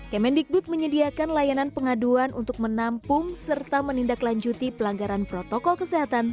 kemendikbud menyediakan layanan pengaduan untuk menampung serta menindaklanjuti pelanggaran protokol kesehatan